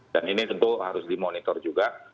dan ini tentu harus dimonitor juga